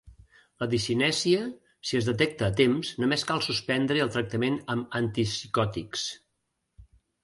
La discinèsia, si es detecta a temps, només cal suspendre el tractament amb antipsicòtics.